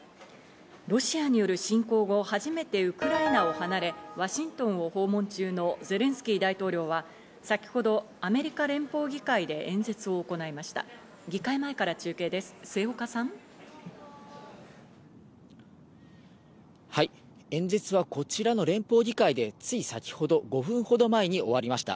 ロシアによる侵攻後、初めてウクライナを離れ、ワシントンを訪問中のゼレンスキー大統領は、先ほどアメリカ連邦議会で演説を行いました。